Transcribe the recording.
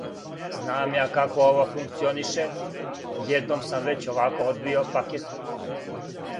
Знам ја како ово функционише. Jедном сам већ овако одбио пакет.